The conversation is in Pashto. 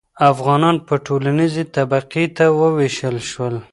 افغانان ټولنیزې طبقې ته وویشل شول.